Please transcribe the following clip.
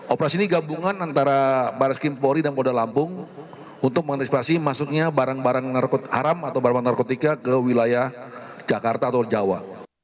operasi ini gabungan antara baris kimpori dan polda lampung untuk mengantisipasi masuknya barang barang haram atau barang barang narkotika ke wilayah jakarta atau jawa